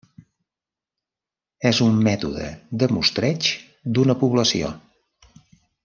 És un mètode de mostreig d'una població.